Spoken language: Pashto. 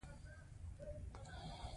استاد د هر چا باور لري.